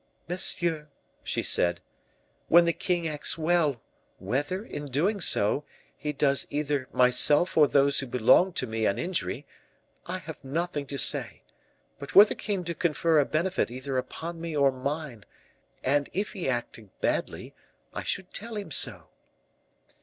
"Monsieur," she said, "when the king acts well, whether, in doing so, he does either myself or those who belong to me an injury, I have nothing to say; but were the king to confer a benefit either upon me or mine, and if he acted badly, I should tell him so."